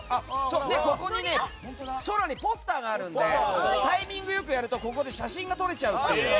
ここに空にポスターがあるのでタイミング良くやるとここで写真が撮れちゃうという。